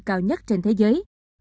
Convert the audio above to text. cao nhất trên thế giới